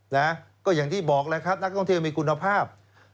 นะก็อย่างที่บอกแล้วครับนักท่องเที่ยวมีคุณภาพ